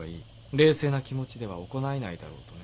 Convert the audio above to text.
冷静な気持ちでは行えないだろう」とね。